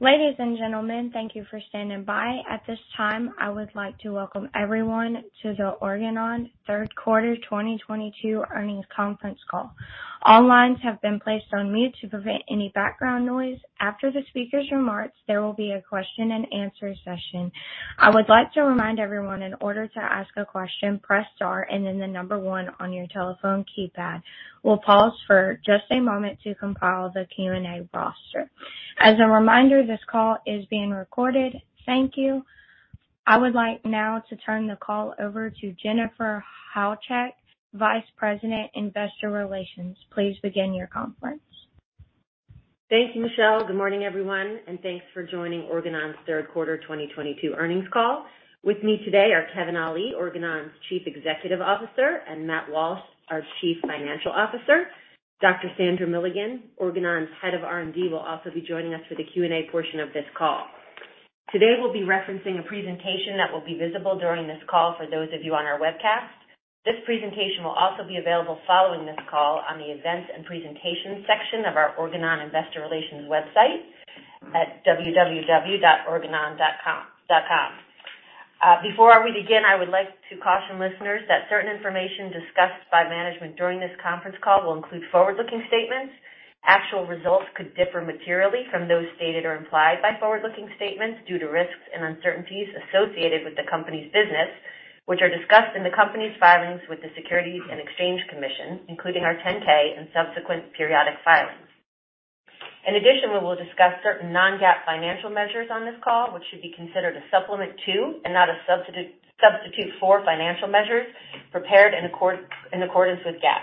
Ladies and gentlemen, thank you for standing by. At this time, I would like to welcome everyone to the Organon Third Quarter 2022 Earnings Conference call. All lines have been placed on mute to prevent any background noise. After the speaker's remarks, there will be a question-and-answer session. I would like to remind everyone, in order to ask a question, press star and then the number one on your telephone keypad. We'll pause for just a moment to compile the Q&A roster. As a reminder, this call is being recorded. Thank you. I would like now to turn the call over to Jennifer Halchak, Vice President, Investor Relations. Please begin your conference. Thank you, Michelle. Good morning, everyone, and thanks for joining Organon's Third Quarter 2022 Earnings call. With me today are Kevin Ali, Organon's Chief Executive Officer, and Matt Walsh, our Chief Financial Officer. Dr. Sandra Milligan, Organon's Head of R&D, will also be joining us for the Q&A portion of this call. Today, we'll be referencing a presentation that will be visible during this call for those of you on our webcast. This presentation will also be available following this call on the Events and Presentations section of our Organon Investor Relations website at www.organon.com. Before we begin, I would like to caution listeners that certain information discussed by management during this conference call will include forward-looking statements. Actual results could differ materially from those stated or implied by forward-looking statements due to risks and uncertainties associated with the company's business, which are discussed in the company's filings with the Securities and Exchange Commission, including our 10-K and subsequent periodic filings. In addition, we will discuss certain non-GAAP financial measures on this call, which should be considered a supplement to and not a substitute for financial measures prepared in accordance with GAAP.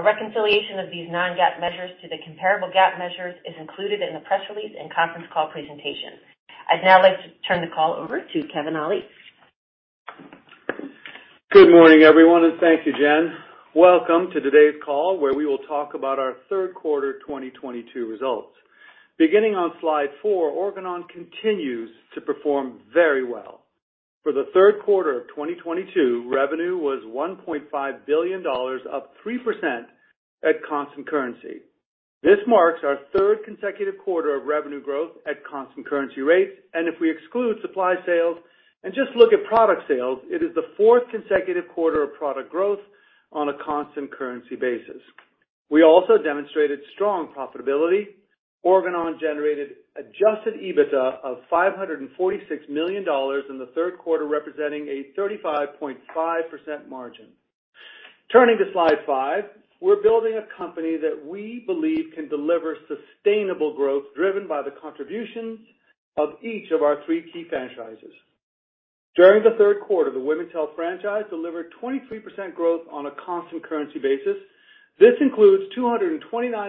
A reconciliation of these non-GAAP measures to the comparable GAAP measures is included in the press release and conference call presentation. I'd now like to turn the call over to Kevin Ali. Good morning, everyone, and thank you, Jen. Welcome to today's call, where we will talk about our third quarter 2022 results. Beginning on slide four, Organon continues to perform very well. For the third quarter of 2022, revenue was $1.5 billion, up 3% at constant currency. This marks our third consecutive quarter of revenue growth at constant currency rates, and if we exclude supply sales and just look at product sales, it is the fourth consecutive quarter of product growth on a constant currency basis. We also demonstrated strong profitability. Organon generated Adjusted EBITDA of $546 million in the third quarter, representing a 35.5% margin. Turning to slide five, we're building a company that we believe can deliver sustainable growth, driven by the contributions of each of our three key franchises. During the third quarter, the women's health franchise delivered 23% growth on a constant currency basis. This includes $229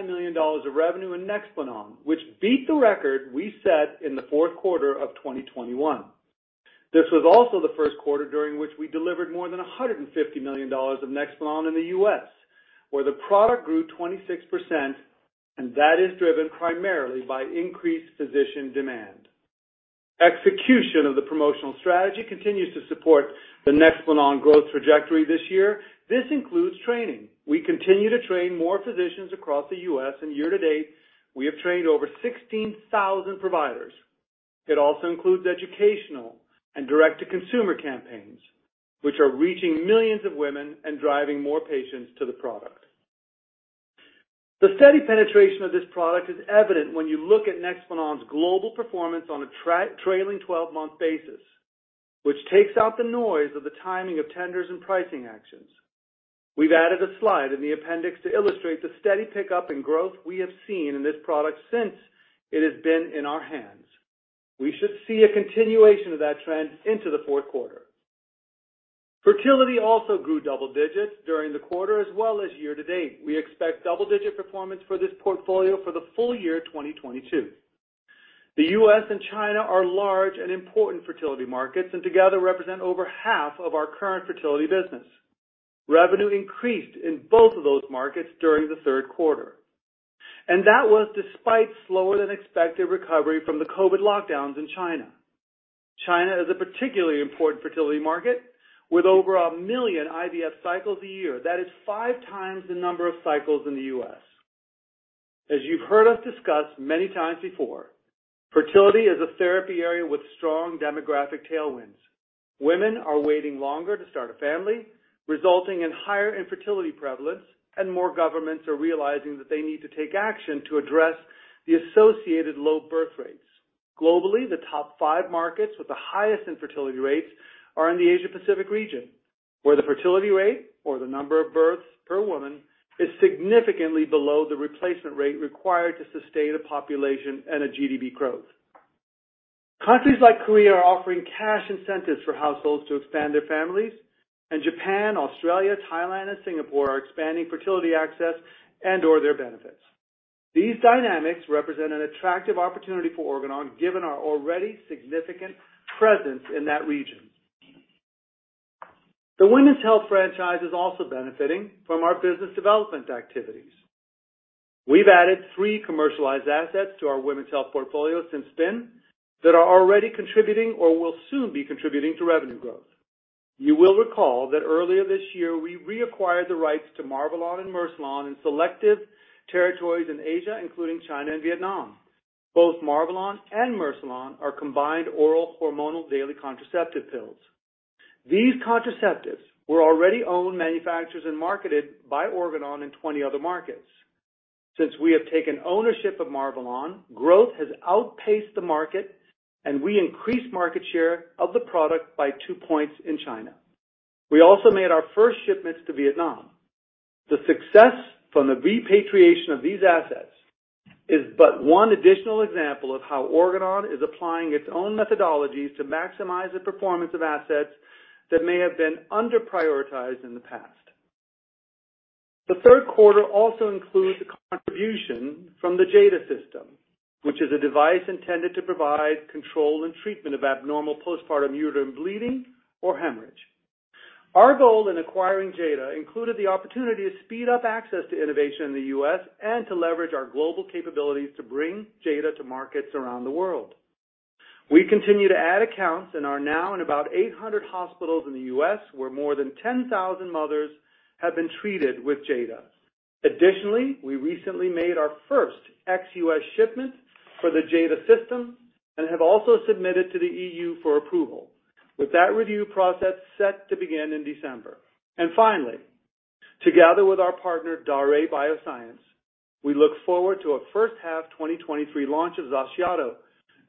million of revenue in Nexplanon, which beat the record we set in the fourth quarter of 2021. This was also the first quarter during which we delivered more than $150 million of Nexplanon in the U.S., where the product grew 26%, and that is driven primarily by increased physician demand. Execution of the promotional strategy continues to support the Nexplanon growth trajectory this year. This includes training. We continue to train more physicians across the U.S., and year-to-date, we have trained over 16,000 providers. It also includes educational and direct-to-consumer campaigns, which are reaching millions of women and driving more patients to the product. The steady penetration of this product is evident when you look at Nexplanon's global performance on a trailing 12-month basis, which takes out the noise of the timing of tenders and pricing actions. We've added a slide in the appendix to illustrate the steady pickup in growth we have seen in this product since it has been in our hands. We should see a continuation of that trend into the fourth quarter. Fertility also grew double digits during the quarter as well as year-to-date. We expect double-digit performance for this portfolio for the full year 2022. The U.S. and China are large and important fertility markets and together represent over half of our current fertility business. Revenue increased in both of those markets during the third quarter, and that was despite slower-than-expected recovery from the COVID lockdowns in China. China is a particularly important fertility market with over 1 million IVF cycles a year. That is five times the number of cycles in the U.S. As you've heard us discuss many times before, fertility is a therapy area with strong demographic tailwinds. Women are waiting longer to start a family, resulting in higher infertility prevalence, and more governments are realizing that they need to take action to address the associated low birth rates. Globally, the top five markets with the highest infertility rates are in the Asia-Pacific region, where the fertility rate or the number of births per woman is significantly below the replacement rate required to sustain a population and a GDP growth. Countries like Korea are offering cash incentives for households to expand their families, and Japan, Australia, Thailand, and Singapore are expanding fertility access and/or their benefits. These dynamics represent an attractive opportunity for Organon, given our already significant presence in that region. The women's health franchise is also benefiting from our business development activities. We've added three commercialized assets to our women's health portfolio since then that are already contributing or will soon be contributing to revenue growth. You will recall that earlier this year, we reacquired the rights to Marvelon and Mercilon in selective territories in Asia, including China and Vietnam. Both Marvelon and Mercilon are combined oral hormonal daily contraceptive pills. These contraceptives were already owned, manufactured, and marketed by Organon in 20 other markets. Since we have taken ownership of Marvelon, growth has outpaced the market, and we increased market share of the product by two points in China. We also made our first shipments to Vietnam. The success from the repatriation of these assets is but one additional example of how Organon is applying its own methodologies to maximize the performance of assets that may have been under prioritized in the past. The third quarter also includes a contribution from the JADA system, which is a device intended to provide control and treatment of abnormal postpartum uterine bleeding or hemorrhage. Our goal in acquiring JADA included the opportunity to speed up access to innovation in the U.S. and to leverage our global capabilities to bring JADA to markets around the world. We continue to add accounts and are now in about 800 hospitals in the U.S., where more than 10,000 mothers have been treated with JADA. Additionally, we recently made our first ex-U.S. shipment for the JADA system and have also submitted to the E.U. for approval. With that review process set to begin in December. Finally, together with our partner, Daré Bioscience, we look forward to a first half 2023 launch of XACIATO,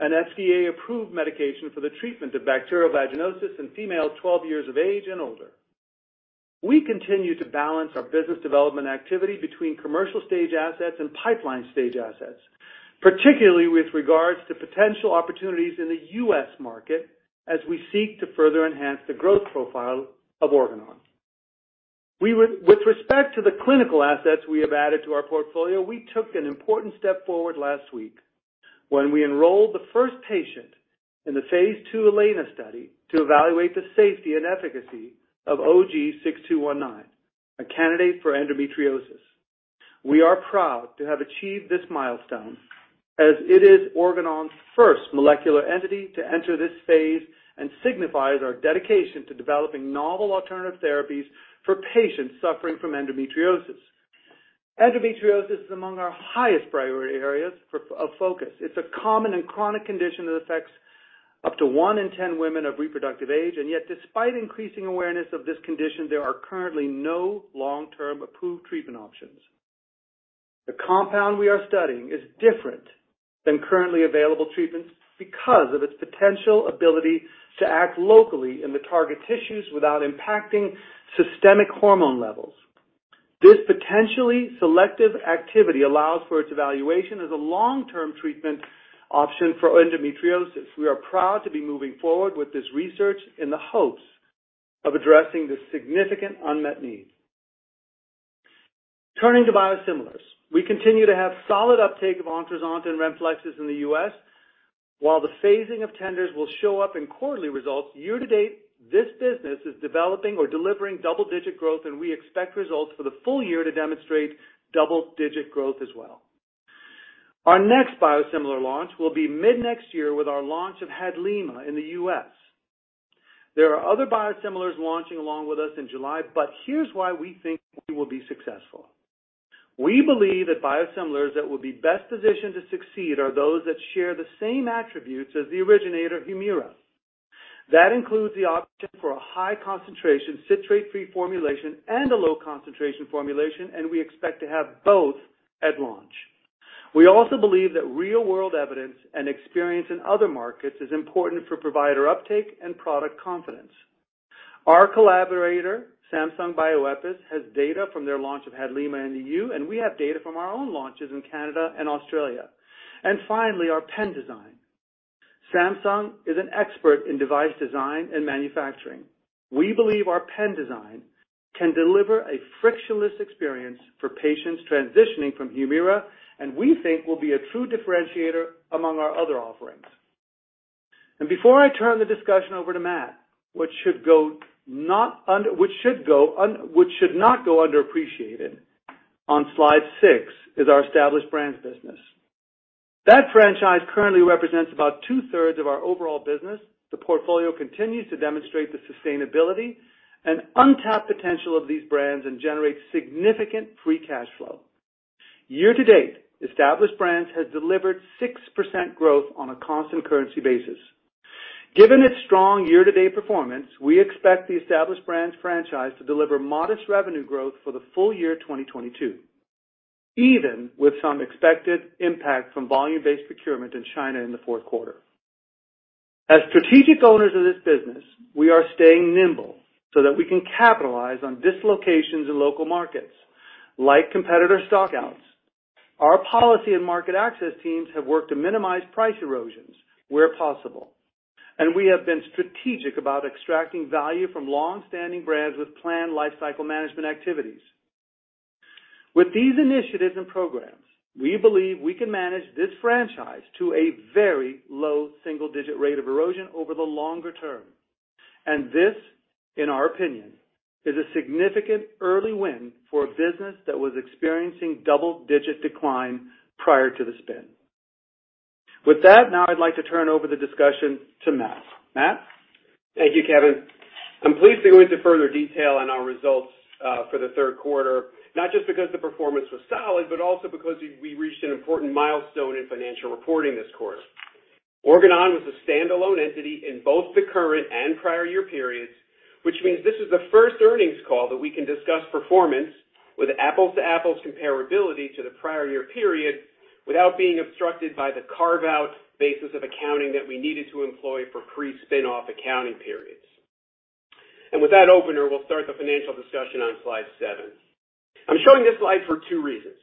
an FDA-approved medication for the treatment of bacterial vaginosis in female 12 years of age and older. We continue to balance our business development activity between commercial stage assets and pipeline stage assets, particularly with regards to potential opportunities in the U.S. market as we seek to further enhance the growth profile of Organon. With respect to the clinical assets we have added to our portfolio, we took an important step forward last week when we enrolled the first patient in the phase II ELENA study to evaluate the safety and efficacy of OG-6219, a candidate for endometriosis. We are proud to have achieved this milestone as it is Organon's first molecular entity to enter this phase and signifies our dedication to developing novel alternative therapies for patients suffering from endometriosis. Endometriosis is among our highest priority areas of focus. It's a common and chronic condition that affects up to one in ten women of reproductive age. Yet, despite increasing awareness of this condition, there are currently no long-term approved treatment options. The compound we are studying is different than currently available treatments because of its potential ability to act locally in the target tissues without impacting systemic hormone levels. This potentially selective activity allows for its evaluation as a long-term treatment option for endometriosis. We are proud to be moving forward with this research in the hopes of addressing this significant unmet need. Turning to Biosimilars, we continue to have solid uptake of Ontruzant and Renflexis in the U.S. While the phasing of tenders will show up in quarterly results, year-to-date, this business is developing or delivering double-digit growth, and we expect results for the full year to demonstrate double-digit growth as well. Our next biosimilar launch will be mid-next year with our launch of Hadlima in the U.S. There are other Biosimilars launching along with us in July, but here's why we think we will be successful. We believe that Biosimilars that will be best positioned to succeed are those that share the same attributes as the originator, Humira. That includes the option for a high concentration citrate-free formulation and a low concentration formulation, and we expect to have both at launch. We also believe that real-world evidence and experience in other markets is important for provider uptake and product confidence. Our collaborator, Samsung Bioepis, has data from their launch of Hadlima in E.U., and we have data from our own launches in Canada and Australia. Finally, our pen design. Samsung is an expert in device design and manufacturing. We believe our pen design can deliver a frictionless experience for patients transitioning from Humira, and we think will be a true differentiator among our other offerings. Before I turn the discussion over to Matt, what should not go underappreciated on slide six is our Established Brands business. That franchise currently represents about two-thirds of our overall business. The portfolio continues to demonstrate the sustainability and untapped potential of these brands and generates significant free cash flow. Year-to-date, Established Brands has delivered 6% growth on a constant currency basis. Given its strong year-to-date performance, we expect the Established Brands franchise to deliver modest revenue growth for the full year 2022, even with some expected impact from volume-based procurement in China in the fourth quarter. As strategic owners of this business, we are staying nimble so that we can capitalize on dislocations in local markets like competitor stock outs. Our policy and market access teams have worked to minimize price erosions where possible, and we have been strategic about extracting value from long-standing brands with planned lifecycle management activities. With these initiatives and programs, we believe we can manage this franchise to a very low single-digit rate of erosion over the longer term. This, in our opinion, is a significant early win for a business that was experiencing double-digit decline prior to the spin. With that, now I'd like to turn over the discussion to Matt. Matt? Thank you, Kevin. I'm pleased to go into further detail on our results for the third quarter, not just because the performance was solid, but also because we reached an important milestone in financial reporting this quarter. Organon was a standalone entity in both the current and prior year periods, which means this is the first earnings call that we can discuss performance with apples-to-apples comparability to the prior year period without being obstructed by the carve-out basis of accounting that we needed to employ for pre-spinoff accounting periods. With that opener, we'll start the financial discussion on slide seven. I'm showing this slide for two reasons.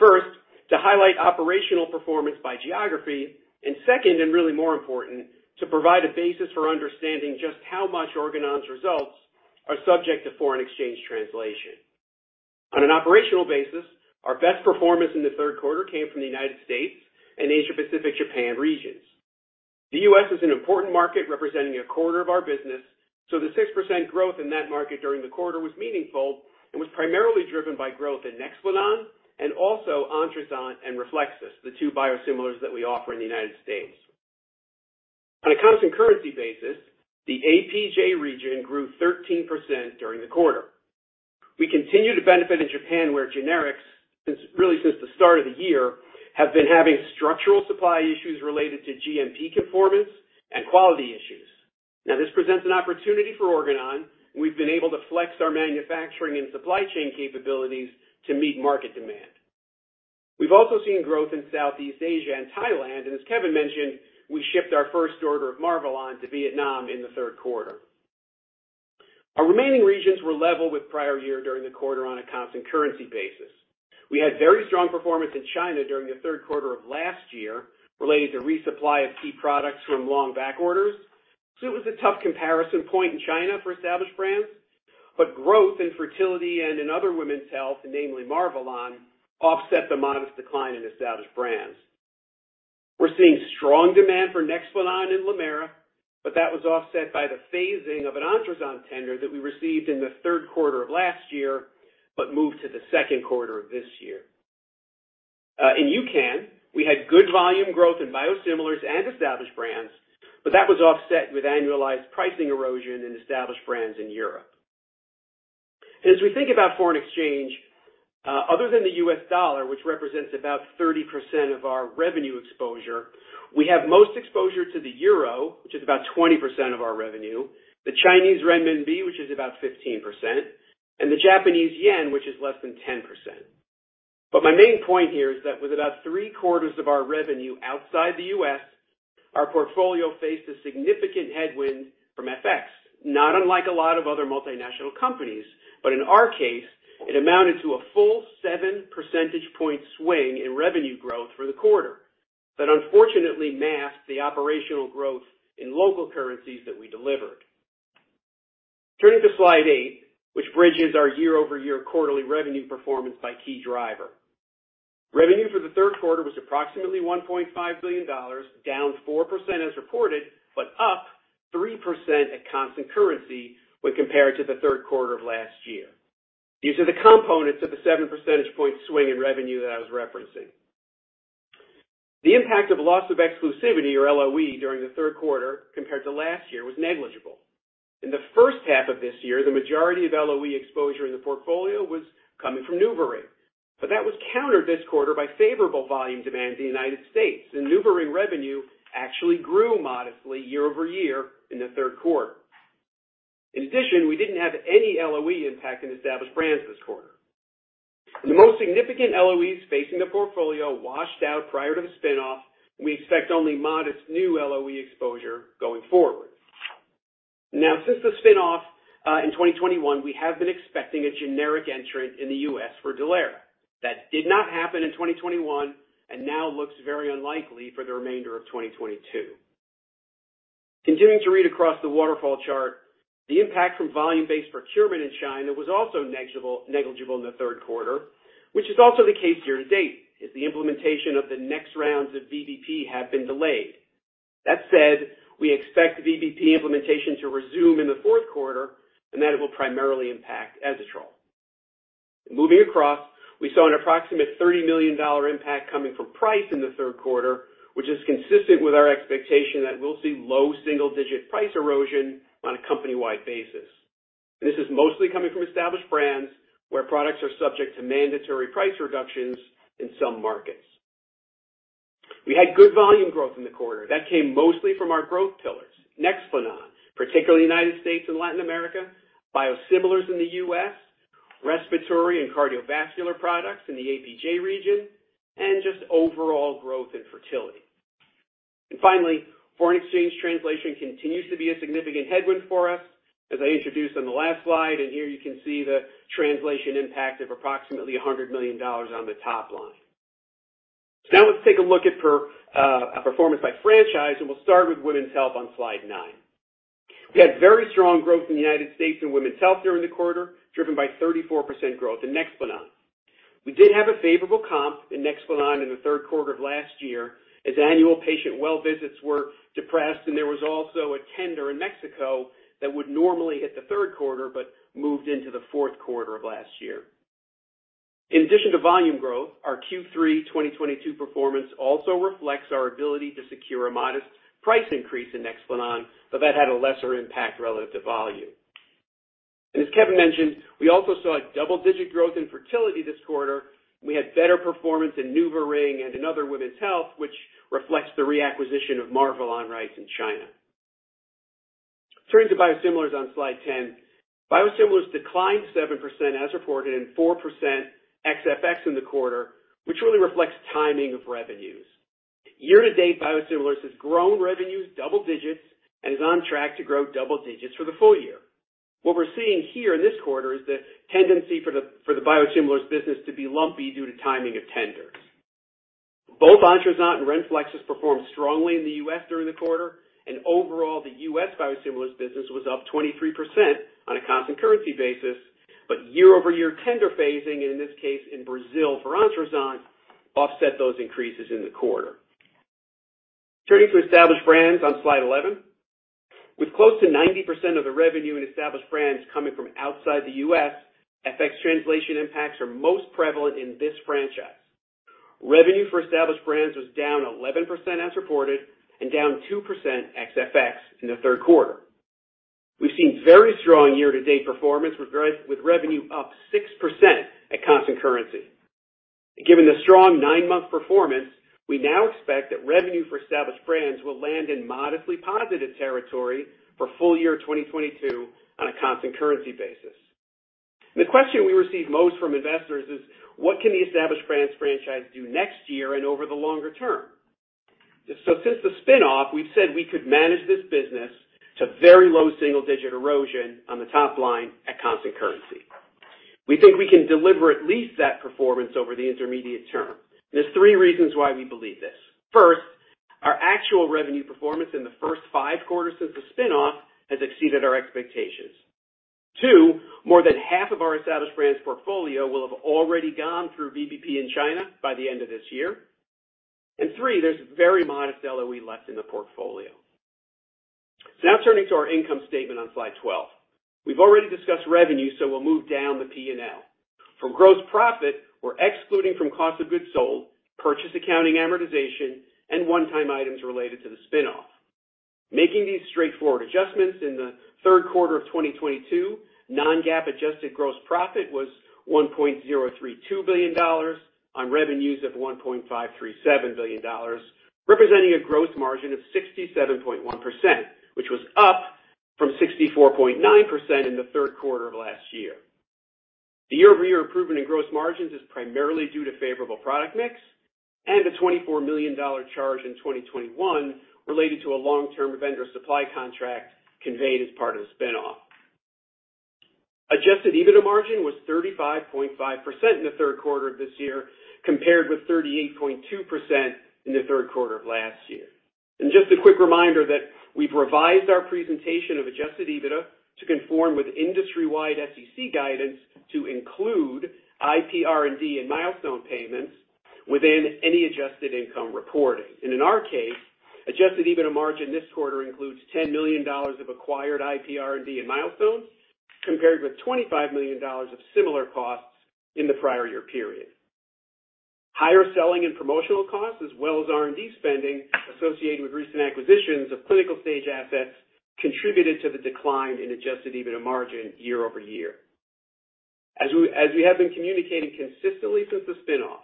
First, to highlight operational performance by geography, and second, and really more important, to provide a basis for understanding just how much Organon's results are subject to foreign exchange translation. On an operational basis, our best performance in the third quarter came from the United States and Asia-Pacific Japan regions. The U.S. is an important market representing a quarter of our business, so the 6% growth in that market during the quarter was meaningful and was primarily driven by growth in Nexplanon and also Ontruzant and Renflexis, the two Biosimilars that we offer in the United States. On a constant currency basis, the APJ region grew 13% during the quarter. We continue to benefit in Japan, where generics, really since the start of the year, have been having structural supply issues related to GMP conformance and quality issues. Now, this presents an opportunity for Organon, and we've been able to flex our manufacturing and supply chain capabilities to meet market demand. We've also seen growth in Southeast Asia and Thailand, and as Kevin mentioned, we shipped our first order of Marvelon to Vietnam in the third quarter. Our remaining regions were level with prior year during the quarter on a constant currency basis. We had very strong performance in China during the third quarter of last year related to resupply of key products from long backorders. It was a tough comparison point in China for Established Brands. Growth in fertility and in other women's health, namely Marvelon, offset the modest decline in Established Brands. We're seeing strong demand for Nexplanon in Lemera, but that was offset by the phasing of an Ontruzant tender that we received in the third quarter of last year but moved to the second quarter of this year. In EUCAN, we had good volume growth in Biosimilars and Established Brands, but that was offset with annualized pricing erosion in Established Brands in Europe. As we think about foreign exchange, other than the U.S. dollar, which represents about 30% of our revenue exposure, we have most exposure to the euro, which is about 20% of our revenue, the Chinese renminbi, which is about 15%, and the Japanese yen, which is less than 10%. My main point here is that with about three-quarters of our revenue outside the U.S., our portfolio faced a significant headwind from FX, not unlike a lot of other multinational companies. In our case, it amounted to a full seven percentage point swing in revenue growth for the quarter. That unfortunately masked the operational growth in local currencies that we delivered. Turning to slide eight, which bridges our year-over-year quarterly revenue performance by key driver. Revenue for the third quarter was approximately $1.5 billion, down 4% as reported, but up 3% at constant currency when compared to the third quarter of last year. These are the components of the seven percentage point swing in revenue that I was referencing. The impact of Loss of Exclusivity or LOE during the third quarter compared to last year was negligible. In the first half of this year, the majority of LOE exposure in the portfolio was coming from NuvaRing, but that was countered this quarter by favorable volume demand in the United States, and NuvaRing revenue actually grew modestly year-over-year in the third quarter. In addition, we didn't have any LOE impact in Established Brands this quarter. The most significant LOEs facing the portfolio washed out prior to the spin-off, we expect only modest new LOE exposure going forward. Now, since the spin-off, in 2021, we have been expecting a generic entrant in the U.S. for Dilatrend. That did not happen in 2021 and now looks very unlikely for the remainder of 2022. Continuing to read across the waterfall chart, the impact from volume-based procurement in China was also negligible in the third quarter, which is also the case here to date, as the implementation of the next rounds of VBP have been delayed. That said, we expect VBP implementation to resume in the fourth quarter and that it will primarily impact Ezetrol. Moving across, we saw an approximate $30 million impact coming from price in the third quarter, which is consistent with our expectation that we'll see low single-digit% price erosion on a company-wide basis. This is mostly coming from Established Brands where products are subject to mandatory price reductions in some markets. We had good volume growth in the quarter. That came mostly from our growth pillars. Nexplanon, particularly United States and Latin America, Biosimilars in the U.S., respiratory and cardiovascular products in the APJ region, and just overall growth in fertility. Finally, foreign exchange translation continues to be a significant headwind for us, as I introduced on the last slide, and here you can see the translation impact of approximately $100 million on the top line. Now let's take a look at a performance by franchise, and we'll start with women's health on slide nine. We had very strong growth in the United States in women's health during the quarter, driven by 34% growth in Nexplanon. We did have a favorable comp in Nexplanon in the third quarter of last year, as annual patient well visits were depressed, and there was also a tender in Mexico that would normally hit the third quarter, but moved into the fourth quarter of last year. In addition to volume growth, our Q3 2022 performance also reflects our ability to secure a modest price increase in Nexplanon, but that had a lesser impact relative to volume. As Kevin mentioned, we also saw a double-digit growth in fertility this quarter, and we had better performance in NuvaRing and in other women's health, which reflects the reacquisition of Marvelon rights in China. Turning to Biosimilars on Slide 10. Biosimilars declined 7% as reported, and 4% ex-FX in the quarter, which really reflects timing of revenues. Year-to-date, Biosimilars has grown revenues double digits and is on track to grow double digits for the full year. What we're seeing here in this quarter is the tendency for the Biosimilars business to be lumpy due to timing of tenders. Both Ontruzant and Renflexis performed strongly in the U.S. during the quarter, and overall, the U.S. Biosimilars business was up 23% on a constant currency basis. Year-over-year tender phasing, and in this case in Brazil for Ontruzant, offset those increases in the quarter. Turning to Established Brands on Slide 11. With close to 90% of the revenue in Established Brands coming from outside the U.S., FX translation impacts are most prevalent in this franchise. Revenue for Established Brands was down 11% as reported, and down 2% ex-FX in the third quarter. We've seen very strong year-to-date performance with revenue up 6% at constant currency. Given the strong nine-month performance, we now expect that revenue for Established Brands will land in modestly positive territory for full year 2022 on a constant currency basis. The question we receive most from investors is what can the Established Brands franchise do next year and over the longer term? Since the spin-off, we've said we could manage this business to very low single digit erosion on the top line at constant currency. We think we can deliver at least that performance over the intermediate term. There's three reasons why we believe this. First, our actual revenue performance in the first five quarters since the spin-off has exceeded our expectations. Two, more than half of our Established Brands portfolio will have already gone through VBP in China by the end of this year. Three, there's very modest LOE left in the portfolio. Now turning to our income statement on Slide 12. We've already discussed revenue, so we'll move down the P&L. From gross profit, we're excluding from cost of goods sold, purchase accounting amortization, and one-time items related to the spin-off. Making these straightforward adjustments in the third quarter of 2022, non-GAAP Adjusted Gross Profit was $1.032 billion on revenues of $1.537 billion, representing a gross margin of 67.1%, which was up from 64.9% in the third quarter of last year. The year-over-year improvement in gross margins is primarily due to favorable product mix and a $24 million charge in 2021 related to a long-term vendor supply contract conveyed as part of the spin-off. Adjusted EBITDA margin was 35.5% in the third quarter of this year, compared with 38.2% in the third quarter of last year. Just a quick reminder that we've revised our presentation of Adjusted EBITDA to conform with industry-wide SEC guidance to include IPR&D and milestone payments within any adjusted income reporting. In our case, Adjusted EBITDA margin this quarter includes $10 million of acquired IPR&D and milestones, compared with $25 million of similar costs in the prior year period. Higher selling and promotional costs, as well as R&D spending associated with recent acquisitions of clinical stage assets, contributed to the decline in Adjusted EBITDA margin year-over-year. As we have been communicating consistently since the spin-off,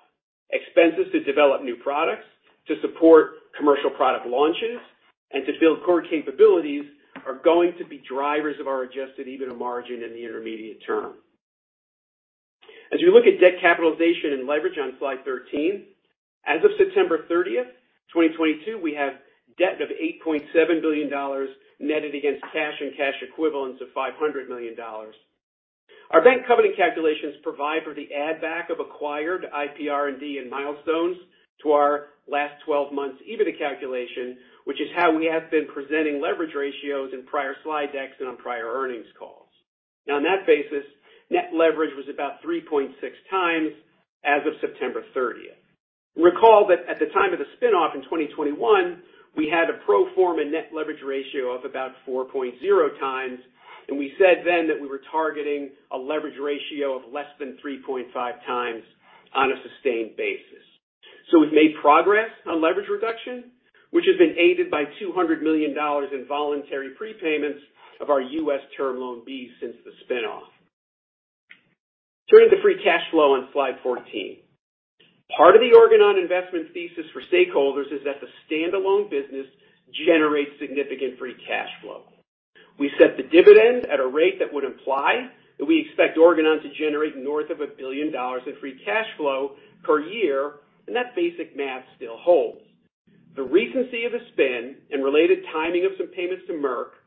expenses to develop new products to support commercial product launches and to build core capabilities are going to be drivers of our Adjusted EBITDA margin in the intermediate term. As we look at debt capitalization and leverage on Slide 13, as of September 30, 2022, we have debt of $8.7 billion netted against cash and cash equivalents of $500 million. Our bank covenant calculations provide for the add back of acquired IPR&D and milestones to our last twelve months EBITDA calculation, which is how we have been presenting leverage ratios in prior slide decks and on prior earnings calls. Now on that basis, net leverage was about 3.6 times as of September 30. Recall that at the time of the spin-off in 2021, we had a pro forma net leverage ratio of about 4.0 times, and we said then that we were targeting a leverage ratio of less than 3.5 times on a sustained basis. We've made progress on leverage reduction, which has been aided by $200 million in voluntary prepayments of our U.S. Term Loan B since the spin-off. Turning to free cash flow on Slide 14. Part of the Organon investment thesis for stakeholders is that the standalone business generates significant free cash flow. We set the dividend at a rate that would imply that we expect Organon to generate north of $1 billion in free cash flow per year, and that basic math still holds. The recency of the spin and related timing of some payments to Merck,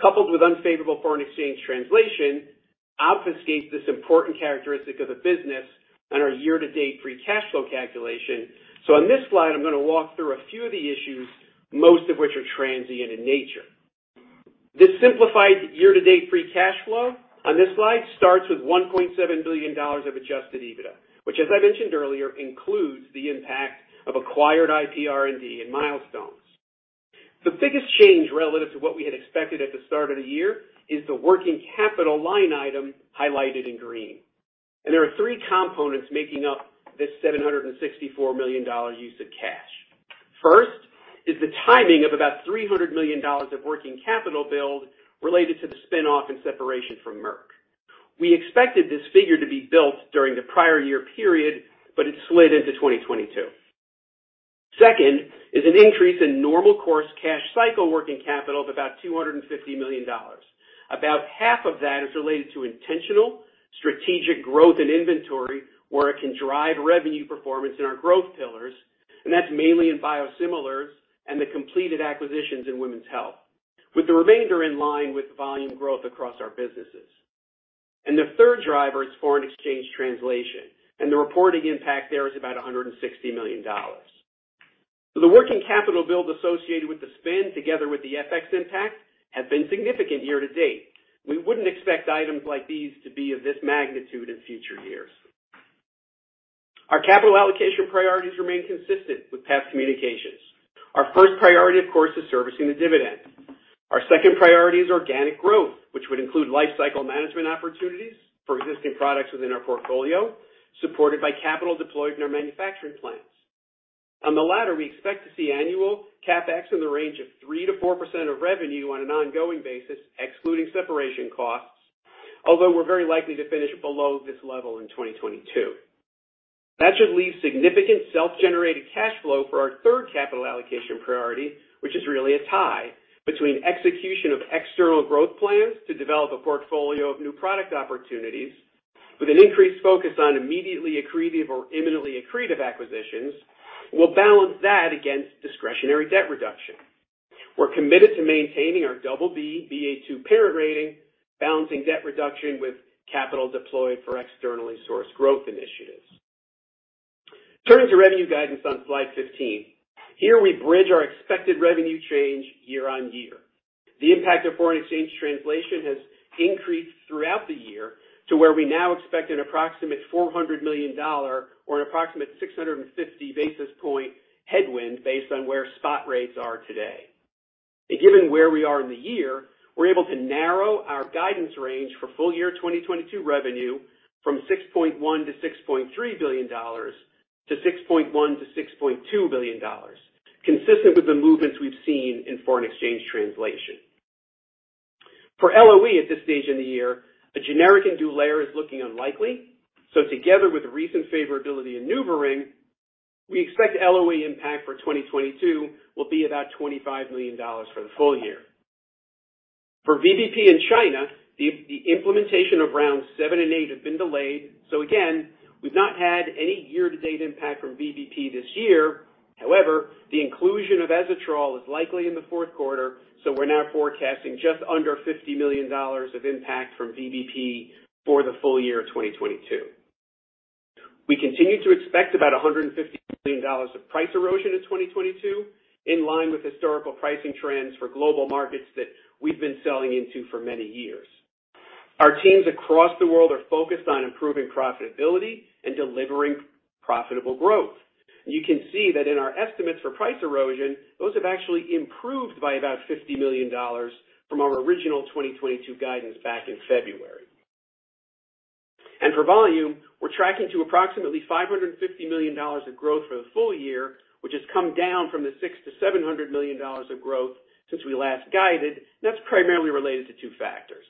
coupled with unfavorable foreign exchange translation, obfuscate this important characteristic of the business on our year-to-date free cash flow calculation. On this slide, I'm gonna walk through a few of the issues, most of which are transient in nature. This simplified year-to-date free cash flow on this slide starts with $1.7 billion of Adjusted EBITDA, which, as I mentioned earlier, includes the impact of acquired IPR&D and milestones. The biggest change relative to what we had expected at the start of the year is the working capital line item highlighted in green. There are three components making up this $764 million use of cash. First is the timing of about $300 million of working capital build related to the spin-off and separation from Merck. We expected this figure to be built during the prior year period, but it slid into 2022. Second is an increase in normal course cash cycle working capital of about $250 million. About half of that is related to intentional strategic growth in inventory where it can drive revenue performance in our growth pillars, and that's mainly in Biosimilars and the completed acquisitions in women's health, with the remainder in line with volume growth across our businesses. The third driver is foreign exchange translation, and the reporting impact there is about $160 million. The working capital build associated with the spin together with the FX impact have been significant year-to-date. We wouldn't expect items like these to be of this magnitude in future years. Our capital allocation priorities remain consistent with past communications. Our first priority, of course, is servicing the dividend. Our second priority is organic growth, which would include life cycle management opportunities for existing products within our portfolio, supported by capital deployed in our manufacturing plants. On the latter, we expect to see annual CapEx in the range of 3%-4% of revenue on an ongoing basis, excluding separation costs, although we're very likely to finish below this level in 2022. That should leave significant self-generated cash flow for our third capital allocation priority, which is really a tie between execution of external growth plans to develop a portfolio of new product opportunities with an increased focus on immediately accretive or imminently accretive acquisitions. We'll balance that against discretionary debt reduction. We're committed to maintaining our BB, Ba2 parent rating, balancing debt reduction with capital deployed for externally sourced growth initiatives. Turning to revenue guidance on slide 15. Here we bridge our expected revenue change year-on-year. The impact of foreign exchange translation has increased throughout the year to where we now expect an approximate $400 million or an approximate 650 basis point headwind based on where spot rates are today. Given where we are in the year, we're able to narrow our guidance range for full year 2022 revenue from $6.1 billion-$6.3 billion to $6.1 billion-$6.2 billion, consistent with the movements we've seen in foreign exchange translation. For LOE at this stage in the year, a generic Inderal is looking unlikely. Together with the recent favorability in NuvaRing, we expect LOE impact for 2022 will be about $25 million for the full year. For VBP in China, the implementation of rounds seven and eight have been delayed. Again, we've not had any year-to-date impact from VBP this year. However, the inclusion of Ezetrol is likely in the fourth quarter, so we're now forecasting just under $50 million of impact from VBP for the full year of 2022. We continue to expect about $150 million of price erosion in 2022, in line with historical pricing trends for global markets that we've been selling into for many years. Our teams across the world are focused on improving profitability and delivering profitable growth. You can see that in our estimates for price erosion, those have actually improved by about $50 million from our original 2022 guidance back in February. For volume, we're tracking to approximately $550 million of growth for the full year, which has come down from the $600 million-$700 million of growth since we last guided, and that's primarily related to two factors.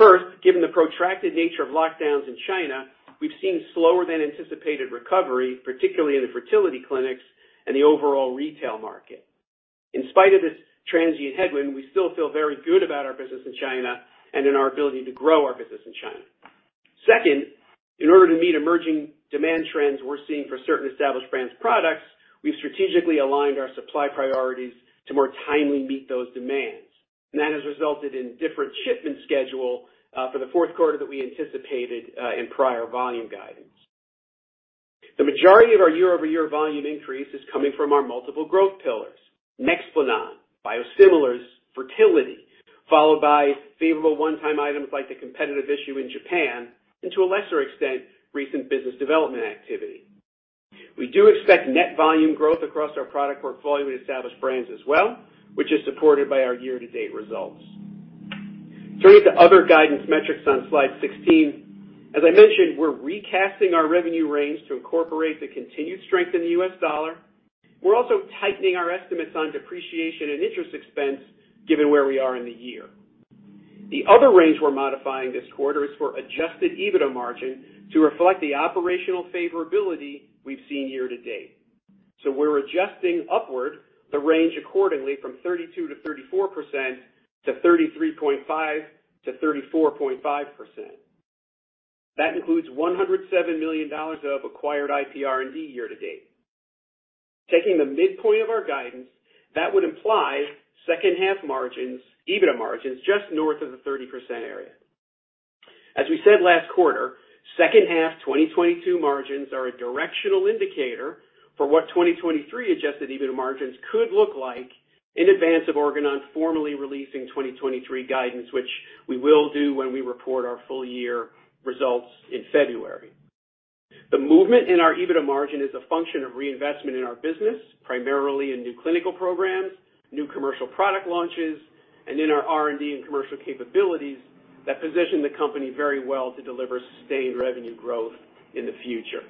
First, given the protracted nature of lockdowns in China, we've seen slower than anticipated recovery, particularly in the fertility clinics and the overall retail market. In spite of this transient headwind, we still feel very good about our business in China and in our ability to grow our business in China. Second, in order to meet emerging demand trends we're seeing for certain Established Brands products, we've strategically aligned our supply priorities to more timely meet those demands. That has resulted in different shipment schedule for the fourth quarter that we anticipated in prior volume guidance. The majority of our year-over-year volume increase is coming from our multiple growth pillars, Nexplanon, Biosimilars, fertility, followed by favorable one-time items like the competitive issue in Japan, and to a lesser extent, recent business development activity. We do expect net volume growth across our product portfolio in Established Brands as well, which is supported by our year-to-date results. Turning to other guidance metrics on slide 16. As I mentioned, we're recasting our revenue range to incorporate the continued strength in the U.S. dollar. We're also tightening our estimates on depreciation and interest expense given where we are in the year. The other range we're modifying this quarter is for Adjusted EBITDA margin to reflect the operational favorability we've seen year-to-date. We're adjusting upward the range accordingly from 32%-34% to 33.5%-34.5%. That includes $107 million of acquired IPR&D year-to-date. Taking the midpoint of our guidance, that would imply second half margins, EBITDA margins just north of the 30% area. As we said last quarter, second half 2022 margins are a directional indicator for what 2023 Adjusted EBITDA margins could look like in advance of Organon formally releasing 2023 guidance, which we will do when we report our full year results in February. The movement in our EBITDA margin is a function of reinvestment in our business, primarily in new clinical programs, new commercial product launches, and in our R&D and commercial capabilities that position the company very well to deliver sustained revenue growth in the future.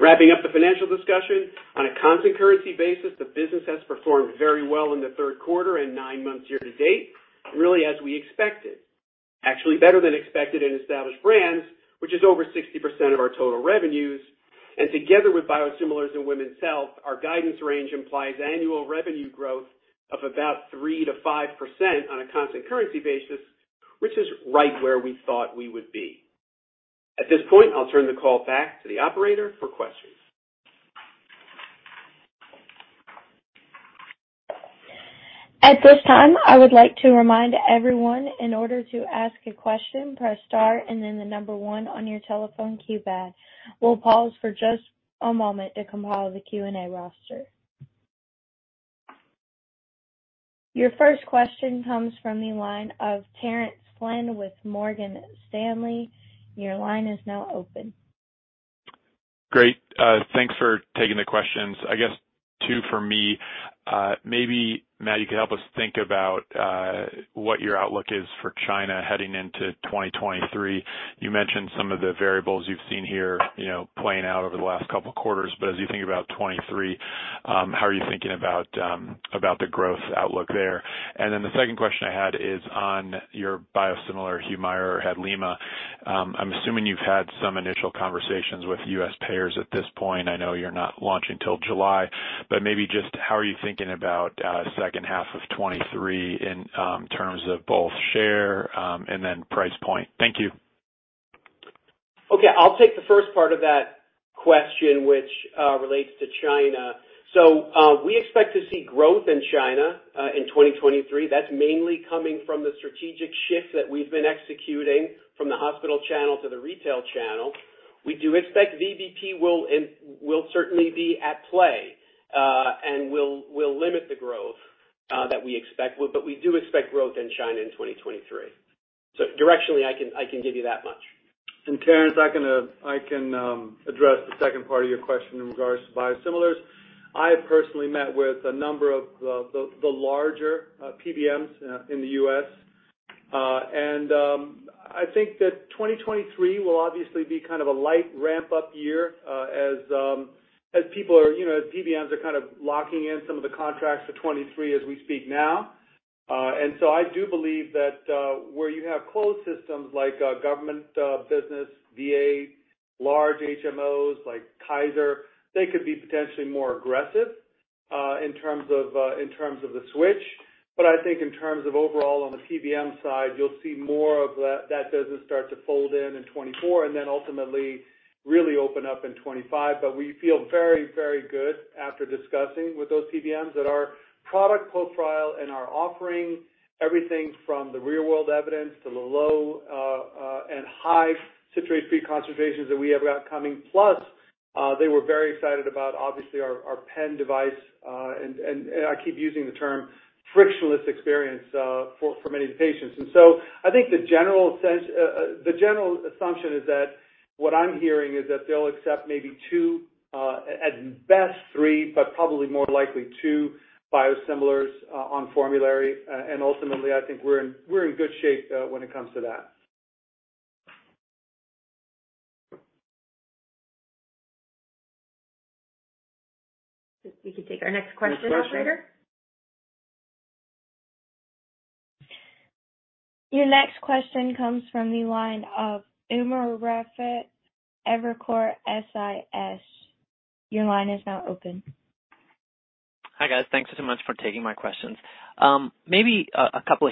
Wrapping up the financial discussion, on a constant currency basis, the business has performed very well in the third quarter and nine months year-to-date, really as we expected, actually better than expected in Established Brands, which is over 60% of our total revenues. Together with Biosimilars and women's health, our guidance range implies annual revenue growth of about 3%-5% on a constant currency basis, which is right where we thought we would be. At this point, I'll turn the call back to the operator for questions. At this time, I would like to remind everyone in order to ask a question, press star and then the number one on your telephone keypad. We'll pause for just a moment to compile the Q&A roster. Your first question comes from the line of Terence Flynn with Morgan Stanley. Your line is now open. Great. Thanks for taking the questions. I guess two for me. Maybe, Matt, you could help us think about what your outlook is for China heading into 2023. You mentioned some of the variables you've seen here, you know, playing out over the last couple of quarters. As you think about 2023, how are you thinking about the growth outlook there? And then the second question I had is on your biosimilar Humira or Hadlima. I'm assuming you've had some initial conversations with U.S. payers at this point. I know you're not launching till July, but maybe just how are you thinking about second half of 2023 in terms of both share and then price point? Thank you. Okay. I'll take the first part of that question, which relates to China. We expect to see growth in China in 2023. That's mainly coming from the strategic shift that we've been executing from the hospital channel to the retail channel. We do expect VBP will certainly be at play, and will limit the growth that we expect. We do expect growth in China in 2023. Directionally, I can give you that much. Terence, I can address the second part of your question in regards to Biosimilars. I have personally met with a number of the larger PBMs in the U.S.. I think that 2023 will obviously be kind of a light ramp-up year, as people are, you know, as PBMs are kind of locking in some of the contracts for 2023 as we speak now. I do believe that where you have closed systems like government business, VA, large HMOs like Kaiser, they could be potentially more aggressive in terms of the switch. I think in terms of overall on the PBM side, you'll see more of that business start to fold in in 2024 and then ultimately really open up in 2025. We feel very, very good after discussing with those PBMs that our product profile and our offering, everything from the real-world evidence to the low and high citrate-free concentrations that we have got coming. Plus, they were very excited about obviously our pen device, and I keep using the term frictionless experience for many of the patients. I think the general assumption is that what I'm hearing is that they'll accept maybe two, at best three, but probably more likely two Biosimilars on formulary. Ultimately, I think we're in good shape when it comes to that. If we could take our next question, operator. Your next question comes from the line of Umer Raffat, Evercore ISI. Your line is now open. Hi, guys. Thanks so much for taking my questions. There's one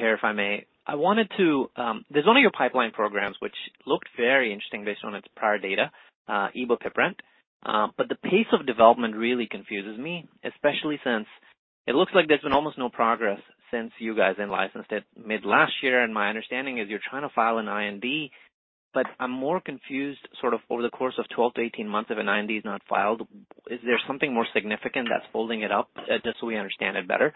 of your pipeline programs which looked very interesting based on its prior data, Ebopiprant. But the pace of development really confuses me, especially since it looks like there's been almost no progress since you guys in-licensed it mid last year. My understanding is you're trying to file an IND, but I'm more confused sort of over the course of 12-18 months if an IND is not filed. Is there something more significant that's holding it up, just so we understand it better?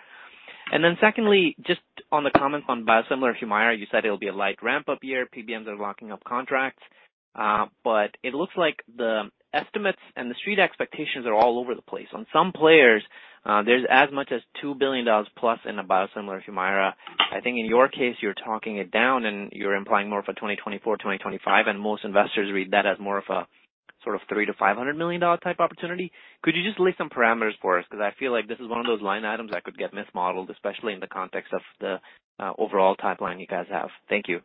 Secondly, just on the comment on biosimilar Humira, you said it'll be a light ramp-up year. PBMs are locking up contracts. It looks like the estimates and the street expectations are all over the place. On some players, there's as much as $2 billion plus in a biosimilar Humira. I think in your case, you're talking it down and you're implying more of a 2024-2025, and most investors read that as more of a, sort of $300-$500 million type opportunity. Could you just lay some parameters for us? Because I feel like this is one of those line items that could get mismodeled, especially in the context of the overall timeline you guys have. Thank you.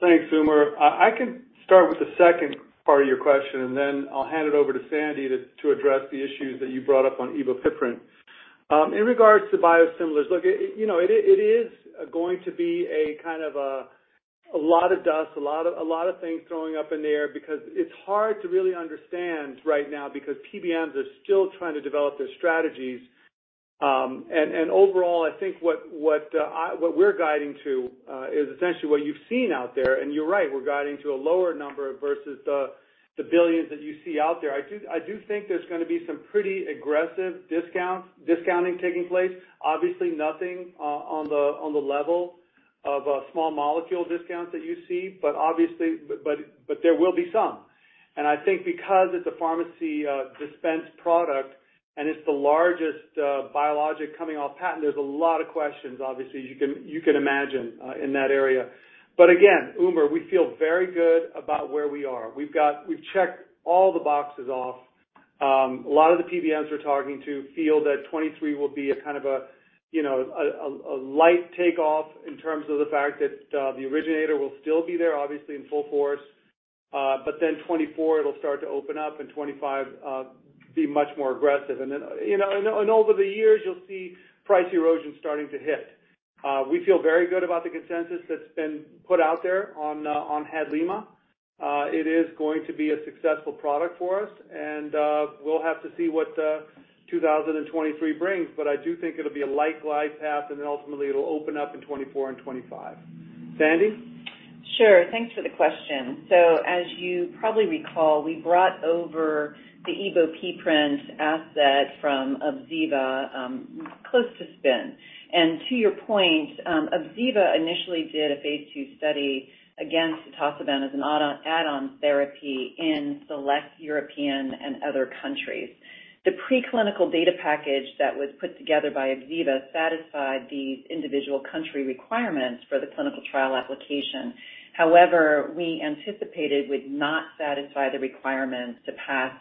Thanks, Umer. I can start with the second part of your question, and then I'll hand it over to Sandy to address the issues that you brought up on Ebopiprant. In regards to Biosimilars, look, you know, it is going to be a kind of a lot of dust, a lot of things thrown up in the air because it's hard to really understand right now because PBMs are still trying to develop their strategies. Overall, I think what we're guiding to is essentially what you've seen out there. You're right, we're guiding to a lower number versus the billions that you see out there. I think there's gonna be some pretty aggressive discounting taking place. Obviously nothing on the level of a small molecule discount that you see. Obviously, there will be some. I think because it's a pharmacy-dispensed product and it's the largest biologic coming off patent, there's a lot of questions, obviously, as you can imagine, in that area. Again, Umer, we feel very good about where we are. We've checked all the boxes off. A lot of the PBMs we're talking to feel that 2023 will be a kind of, you know, a light takeoff in terms of the fact that the originator will still be there, obviously in full force. Then 2024 it'll start to open up and 2025 be much more aggressive. Then, you know, over the years, you'll see price erosion starting to hit. We feel very good about the consensus that's been put out there on Hadlima. It is going to be a successful product for us, and we'll have to see what 2023 brings. I do think it'll be a light glide path, and then ultimately it'll open up in 2024-2025. Sandy? Sure. Thanks for the question. As you probably recall, we brought over the Ebopiprant asset from ObsEva close to spin. To your point, ObsEva initially did a phase II study against atosiban as an add-on therapy in select European and other countries. The preclinical data package that was put together by ObsEva satisfied these individual country requirements for the clinical trial application. However, we anticipated would not satisfy the requirements to pass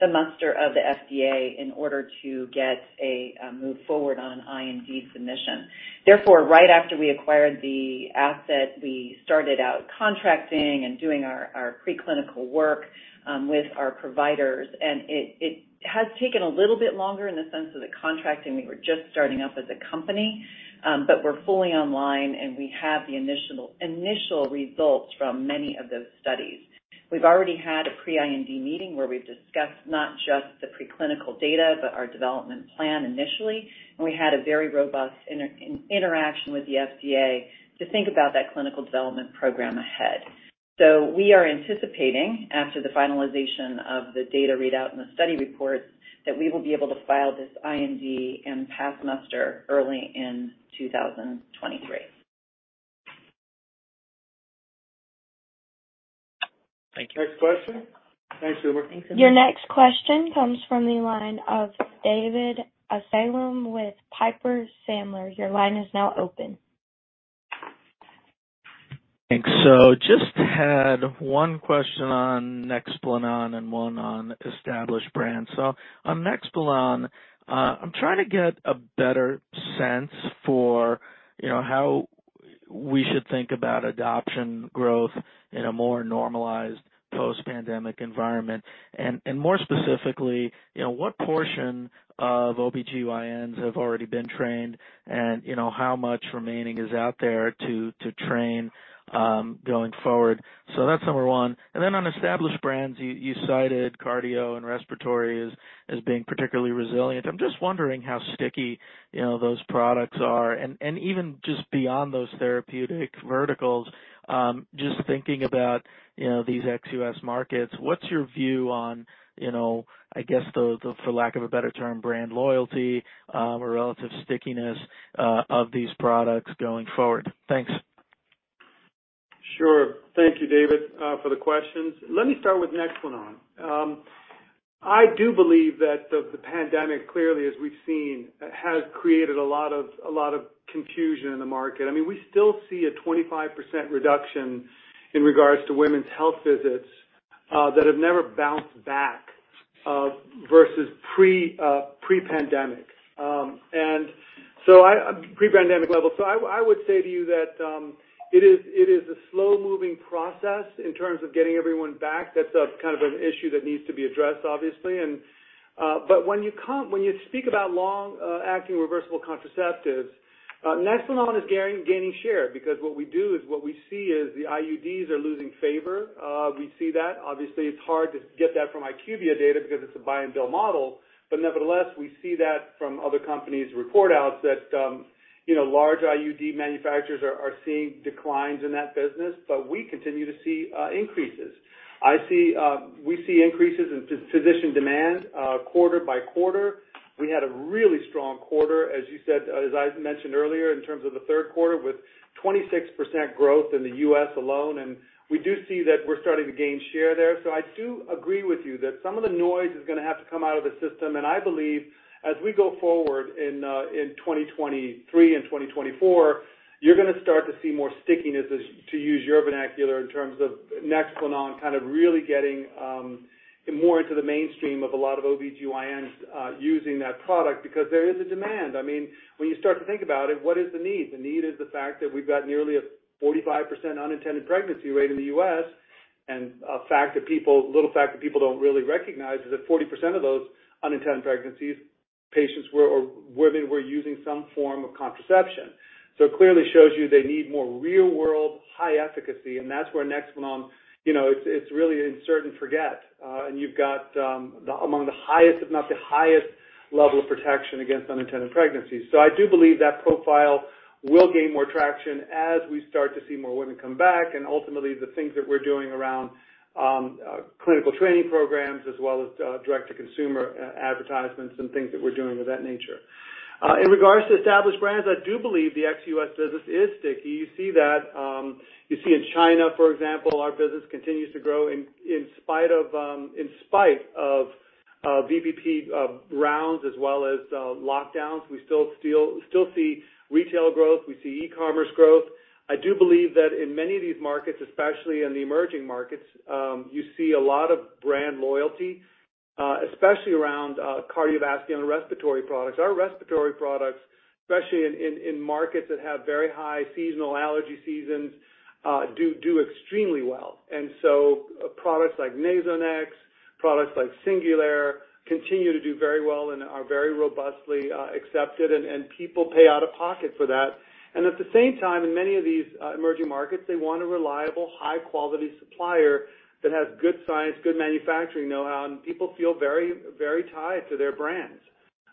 the muster of the FDA in order to get a move forward on IND submission. Therefore, right after we acquired the asset, we started contracting and doing our preclinical work with our providers. It has taken a little bit longer in the sense of the contracting. We were just starting up as a company, but we're fully online, and we have the initial results from many of those studies. We've already had a pre-IND meeting where we've discussed not just the preclinical data, but our development plan initially, and we had a very robust interaction with the FDA to think about that clinical development program ahead. We are anticipating, after the finalization of the data readout and the study reports, that we will be able to file this IND and pass muster early in 2023. Thank you. Next question. Thanks, Umer. Your next question comes from the line of David Amsellem with Piper Sandler. Your line is now open. Thanks. Just had one question on Nexplanon and one on Established Brands. On Nexplanon, I'm trying to get a better sense for, you know, how we should think about adoption growth in a more normalized post-pandemic environment. More specifically, you know, what portion of OB/GYNs have already been trained and, you know, how much remaining is out there to train going forward? That's number one. Then on Established Brands, you cited cardio and respiratory as being particularly resilient. I'm just wondering how sticky, you know, those products are. Even just beyond those therapeutic verticals, just thinking about, you know, these ex-U.S. markets, what's your view on, you know, I guess for lack of a better term, brand loyalty or relative stickiness of these products going forward? Thanks. Sure. Thank you, David, for the questions. Let me start with Nexplanon. I do believe that the pandemic clearly, as we've seen, has created a lot of confusion in the market. I mean, we still see a 25% reduction in regards to women's health visits that have never bounced back versus pre-pandemic level. So I would say to you that it is a slow-moving process in terms of getting everyone back. That's a kind of an issue that needs to be addressed, obviously. But when you speak about long acting reversible contraceptives, Nexplanon is gaining share because what we do is what we see is the IUDs are losing favor. We see that. Obviously, it's hard to get that from IQVIA data because it's a buy and bill model. Nevertheless, we see that from other companies' report outs that, you know, large IUD manufacturers are seeing declines in that business, but we continue to see increases. We see increases in physician demand quarter by quarter. We had a really strong quarter, as you said, as I mentioned earlier, in terms of the third quarter with 26% growth in the U.S. alone. We do see that we're starting to gain share there. I do agree with you that some of the noise is gonna have to come out of the system. I believe as we go forward in 2023 and 2024, you're gonna start to see more stickiness as to use your vernacular in terms of Nexplanon kind of really getting more into the mainstream of a lot of OB/GYNs using that product because there is a demand. I mean, when you start to think about it, what is the need? The need is the fact that we've got nearly a 45% unintended pregnancy rate in the U.S., and a little fact that people don't really recognize is that 40% of those unintended pregnancies patients were using some form of contraception. So it clearly shows you they need more real-world high efficacy, and that's where Nexplanon, you know, it's really insert and forget. You've got among the highest, if not the highest, level of protection against unintended pregnancies. I do believe that profile will gain more traction as we start to see more women come back and ultimately the things that we're doing around clinical training programs as well as direct-to-consumer advertisements and things that we're doing of that nature. In regards to Established Brands, I do believe the ex-U.S. business is sticky. You see that in China, for example, our business continues to grow in spite of VBP rounds as well as lockdowns. We still see retail growth. We see e-commerce growth. I do believe that in many of these markets, especially in the emerging markets, you see a lot of brand loyalty, especially around cardiovascular and respiratory products. Our respiratory products, especially in markets that have very high seasonal allergy seasons, do extremely well. Products like Nasonex, products like Singulair continue to do very well and are very robustly accepted, and people pay out of pocket for that. At the same time, in many of these emerging markets, they want a reliable, high quality supplier that has good science, good manufacturing know-how, and people feel very, very tied to their brands.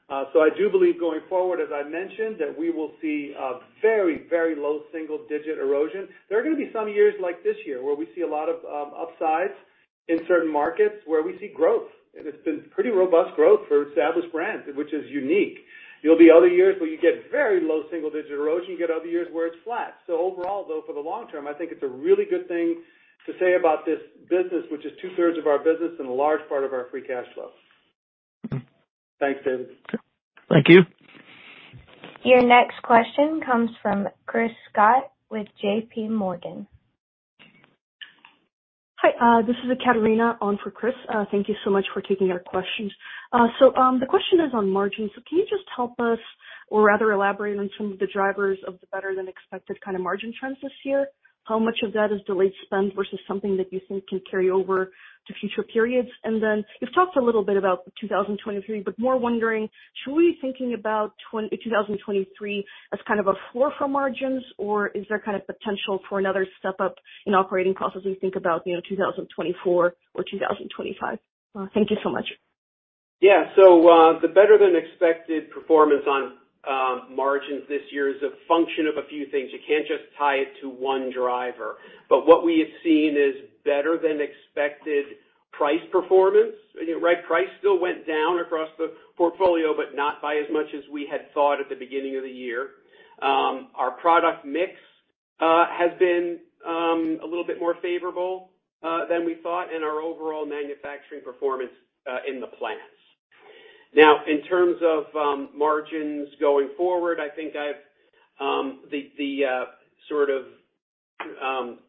I do believe going forward, as I mentioned, that we will see a very, very low single digit erosion. There are gonna be some years like this year where we see a lot of upsides in certain markets where we see growth. It's been pretty robust growth for Established Brands, which is unique. There'll be other years where you get very low single-digit erosion. You get other years where it's flat. Overall, though, for the long term, I think it's a really good thing to say about this business, which is two-thirds of our business and a large part of our free cash flow. Mm-hmm. Thanks, David. Thank you. Your next question comes from Chris Schott with J.P. Morgan. Hi, this is Catarina on for Chris. Thank you so much for taking our questions. The question is on margins. Can you just help us or rather elaborate on some of the drivers of the better than expected kind of margin trends this year? How much of that is delayed spend versus something that you think can carry over to future periods? You've talked a little bit about 2023, but more wondering, should we be thinking about 2023 as kind of a floor for margins, or is there kind of potential for another step up in operating processes as we think about, you know, 2024 or 2025? Thank you so much. Yeah. The better than expected performance on margins this year is a function of a few things. You can't just tie it to one driver. What we have seen is better than expected price performance. Right? Price still went down across the portfolio, but not by as much as we had thought at the beginning of the year. Our product mix has been a little bit more favorable than we thought in our overall manufacturing performance in the plants. Now, in terms of margins going forward, I think the sort of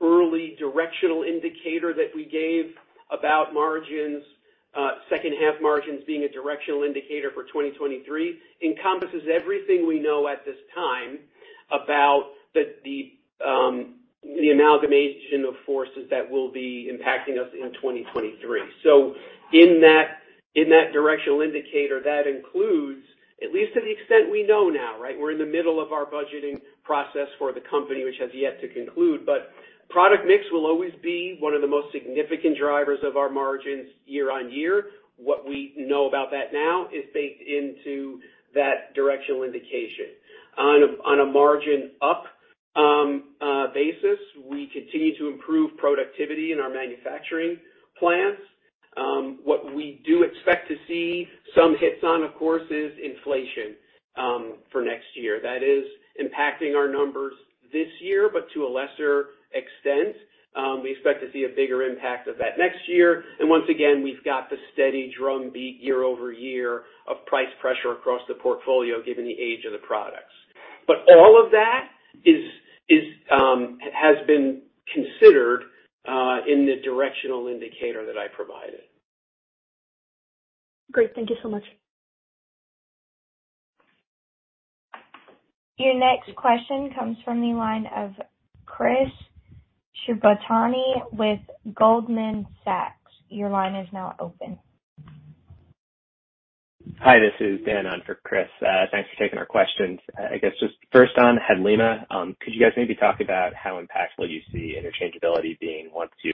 early directional indicator that we gave about margins, second half margins being a directional indicator for 2023 encompasses everything we know at this time about the amalgamation of forces that will be impacting us in 2023. In that directional indicator, that includes at least to the extent we know now, right? We're in the middle of our budgeting process for the company, which has yet to conclude. Product mix will always be one of the most significant drivers of our margins year-over-year. What we know about that now is baked into that directional indication. On a margin basis, we continue to improve productivity in our manufacturing plants. What we do expect to see some hits on, of course, is inflation for next year. That is impacting our numbers this year, but to a lesser extent. We expect to see a bigger impact of that next year. Once again, we've got the steady drumbeat year-over-year of price pressure across the portfolio given the age of the products. All of that has been considered in the directional indicator that I provided. Great. Thank you so much. Your next question comes from the line of Chris Shibutani with Goldman Sachs. Your line is now open. Hi, this is Dan on for Chris. Thanks for taking our questions. I guess just first on Hadlima, could you guys maybe talk about how impactful you see interchangeability being once you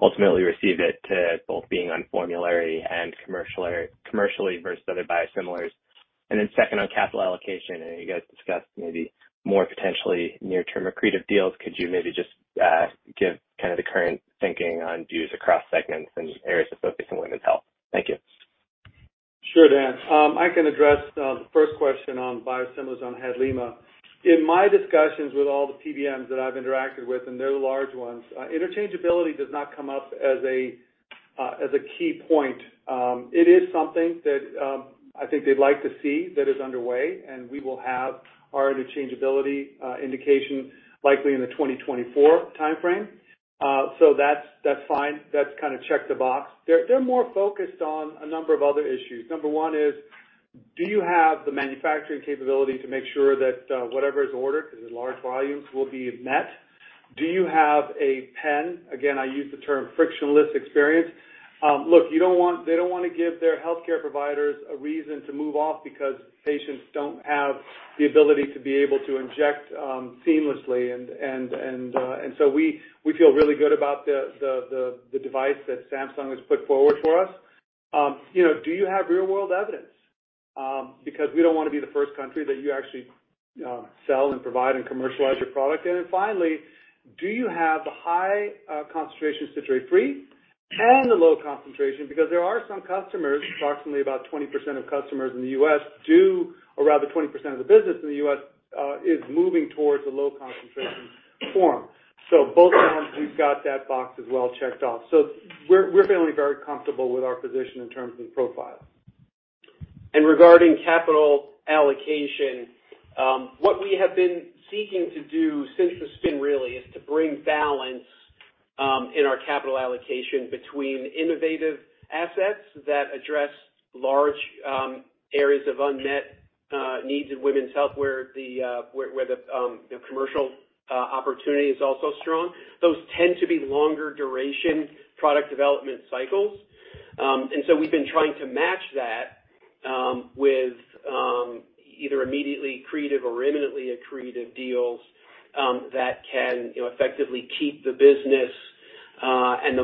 ultimately receive it to both being on formulary and commercial or commercially versus other Biosimilars? Second on capital allocation, I know you guys discussed maybe more potentially near-term accretive deals. Could you maybe just give kind of the current thinking on views across segments and areas of focus in Women's Health? Thank you. Sure, Dan. I can address the first question on Biosimilars on Hadlima. In my discussions with all the PBMs that I've interacted with, and they're large ones, interchangeability does not come up as a key point. It is something that I think they'd like to see that is underway, and we will have our interchangeability indication likely in the 2024 timeframe. So that's fine. That's kinda check the box. They're more focused on a number of other issues. Number one is, do you have the manufacturing capability to make sure that whatever is ordered, 'cause in large volumes, will be met? Do you have a pen? Again, I use the term frictionless experience. Look, they don't wanna give their healthcare providers a reason to move off because patients don't have the ability to inject seamlessly. We feel really good about the device that Samsung has put forward for us. You know, do you have real world evidence? Because we don't wanna be the first country that you actually sell and provide and commercialize your product. Then finally, do you have the high concentration citrate-free and the low concentration? Because there are some customers, approximately 20% of customers in the U.S. do, or rather 20% of the business in the U.S. is moving towards a low concentration form. Both times we've got that box as well checked off. We're feeling very comfortable with our position in terms of the profile. Regarding capital allocation, what we have been seeking to do since the spin really is to bring balance in our capital allocation between innovative assets that address large areas of unmet needs in women's health, where the you know commercial opportunity is also strong. Those tend to be longer duration product development cycles. We've been trying to match that with either immediately accretive or imminently accretive deals that can you know effectively keep the business and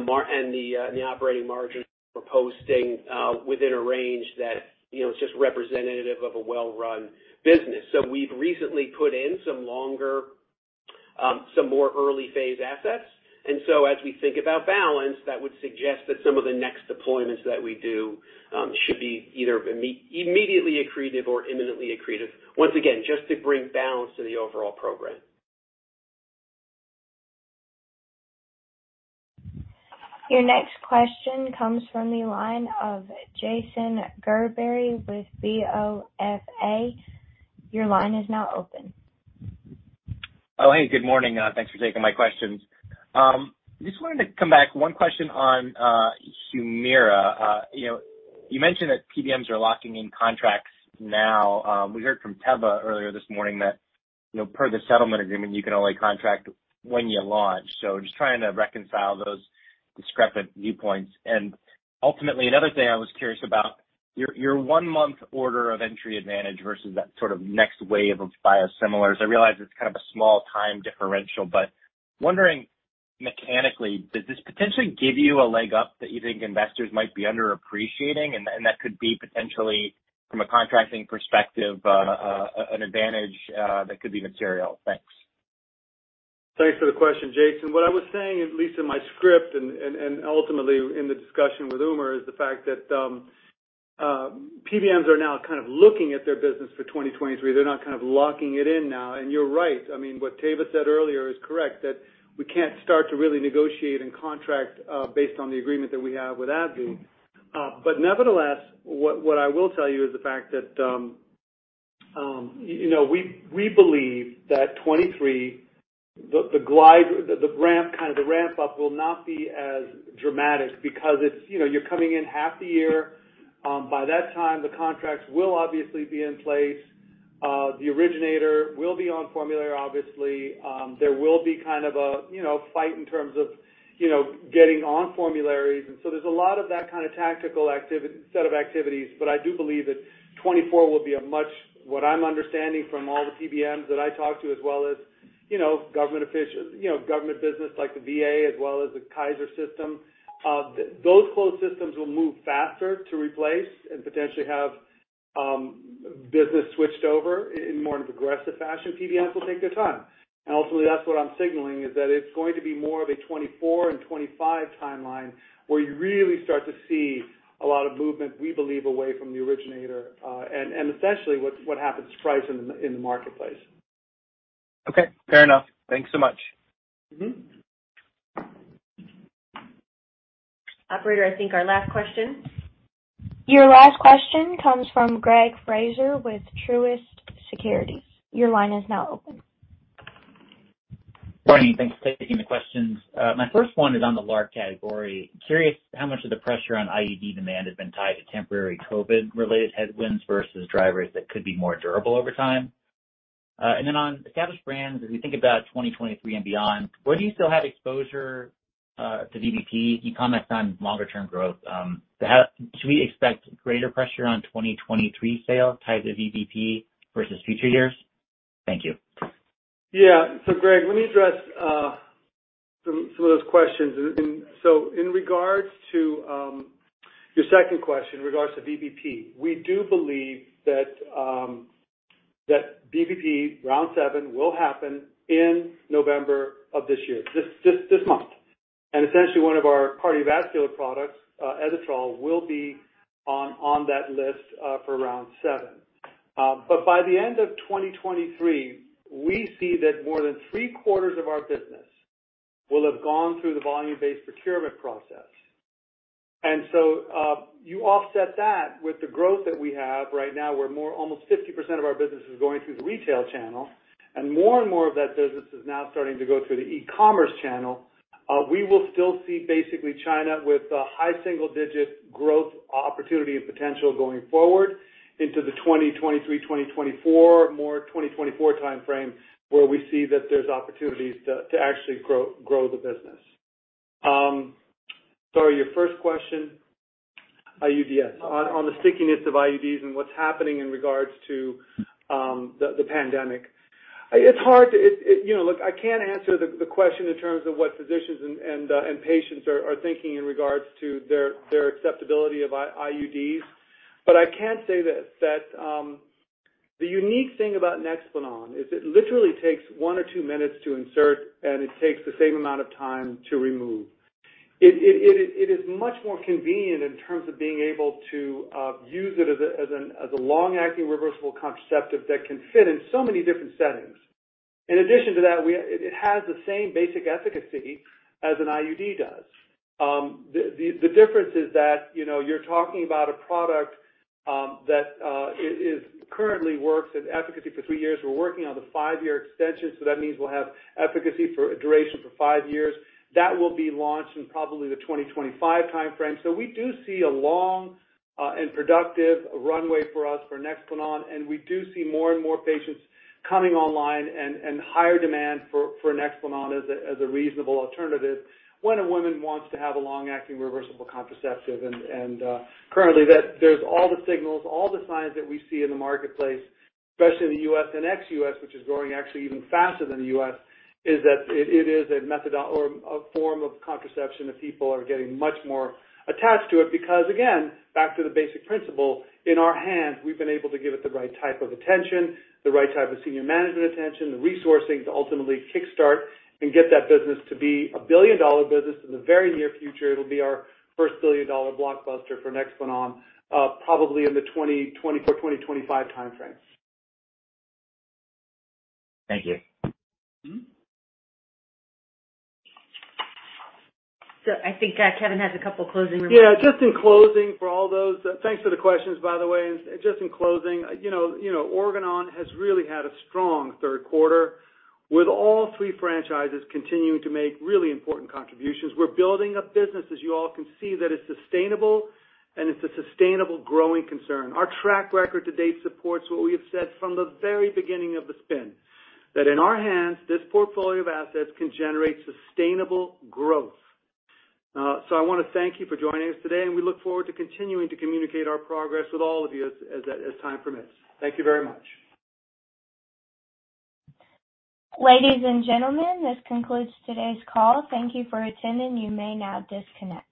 the operating margin we're posting within a range that you know is just representative of a well-run business. We've recently put in some more early phase assets. As we think about balance, that would suggest that some of the next deployments that we do should be either immediately accretive or imminently accretive. Once again, just to bring balance to the overall program. Your next question comes from the line of Jason Gerberry with BofA. Your line is now open. Oh, hey, good morning. Thanks for taking my questions. Just wanted to come back. One question on Humira. You know, you mentioned that PBMs are locking in contracts now. We heard from Teva earlier this morning that, you know, per the settlement agreement, you can only contract when you launch. So just trying to reconcile those discrepant viewpoints. Ultimately, another thing I was curious about, your one-month order of entry advantage versus that sort of next wave of Biosimilars. I realize it's kind of a small time differential, but wondering mechanically, does this potentially give you a leg up that you think investors might be underappreciating and that could be potentially from a contracting perspective, an advantage that could be material? Thanks. Thanks for the question, Jason. What I was saying, at least in my script and ultimately in the discussion with Umer, is the fact that PBMs are now kind of looking at their business for 2023. They're not kind of locking it in now. You're right. I mean, what Teva said earlier is correct, that we can't start to really negotiate and contract based on the agreement that we have with AbbVie. Nevertheless, what I will tell you is the fact that you know, we believe that 2023, the glide, the ramp, kind of the ramp-up will not be as dramatic because it's you know, you're coming in half the year. By that time, the contracts will obviously be in place. The originator will be on formulary, obviously. There will be kind of a, you know, fight in terms of, you know, getting on formularies. There's a lot of that kind of tactical set of activities. But I do believe that 2024 will be a much, what I'm understanding from all the PBMs that I talk to, as well as, you know, government business like the VA as well as the Kaiser system, those closed systems will move faster to replace and potentially have business switched over in more of aggressive fashion. PBMs will take their time. Ultimately, that's what I'm signaling, is that it's going to be more of a 2024 and 2025 timeline where you really start to see a lot of movement, we believe away from the originator. And essentially what happens price in the, in the marketplace. Okay, fair enough. Thanks so much. Mm-hmm. Operator, I think our last question. Your last question comes from Gregory Fraser with Truist Securities. Your line is now open. Morning. Thanks for taking the questions. My first one is on the LARC category. Curious how much of the pressure on IUD demand has been tied to temporary COVID-related headwinds versus drivers that could be more durable over time. On Established Brands, as we think about 2023 and beyond, where do you still have exposure to VBP? You comment on longer term growth. Should we expect greater pressure on 2023 sales tied to VBP versus future years? Thank you. Yeah. Greg, let me address some of those questions. In regards to your second question in regards to VBP, we do believe that VBP Round 7 will happen in November of this year, this month. Essentially one of our cardiovascular products, Ezetrol, will be on that list for Round 7. By the end of 2023, we see that more than three-quarters of our business will have gone through the volume-based procurement process. You offset that with the growth that we have right now, where almost 50% of our business is going through the retail channel, and more and more of that business is now starting to go through the e-commerce channel. We will still see basically China with a high single digit growth opportunity and potential going forward into the 2023, 2024, more 2024 timeframe, where we see that there's opportunities to actually grow the business. Sorry, your first question, IUDs. On the stickiness of IUDs and what's happening in regards to the pandemic. It's hard. You know, look, I can't answer the question in terms of what physicians and patients are thinking in regards to their acceptability of IUDs. But I can say that the unique thing about Nexplanon is it literally takes one or two minutes to insert, and it takes the same amount of time to remove. It is much more convenient in terms of being able to use it as a long-acting reversible contraceptive that can fit in so many different settings. In addition to that, it has the same basic efficacy as an IUD does. The difference is that, you know, you're talking about a product that it currently works at efficacy for three years. We're working on the five-year extension, so that means we'll have efficacy for a duration for five years. That will be launched in probably the 2025 timeframe. We do see a long and productive runway for us for Nexplanon, and we do see more and more patients coming online and higher demand for Nexplanon as a reasonable alternative when a woman wants to have a long-acting reversible contraceptive. Currently, there's all the signals, all the signs that we see in the marketplace, especially in the U.S. and ex-U.S., which is growing actually even faster than the U.S., is that it is a method or a form of contraception that people are getting much more attached to it. Because again, back to the basic principle, in our hands, we've been able to give it the right type of attention, the right type of senior management attention, the resourcing to ultimately kickstart and get that business to be a billion-dollar business. In the very near future, it'll be our first billion-dollar blockbuster for Nexplanon, probably in the 2024-2025 timeframe. Thank you. Mm-hmm. I think Kevin has a couple closing remarks. Yeah. Just in closing for all those, thanks for the questions, by the way. Just in closing, you know, Organon has really had a strong third quarter, with all three franchises continuing to make really important contributions. We're building a business, as you all can see, that is sustainable, and it's a sustainable growing concern. Our track record to date supports what we have said from the very beginning of the spin, that in our hands, this portfolio of assets can generate sustainable growth. So I wanna thank you for joining us today, and we look forward to continuing to communicate our progress with all of you as time permits. Thank you very much. Ladies and gentlemen, this concludes today's call. Thank you for attending. You may now disconnect.